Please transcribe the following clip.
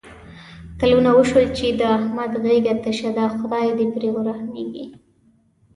کلونه وشول چې د احمد غېږه تشه ده. خدای دې پرې ورحمېږي.